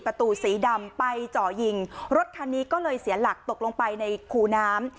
ประตูสีดำไปเจาะยิงรถคันนี้ก็เลยเสียหลักตกลงไปในคูน้ำ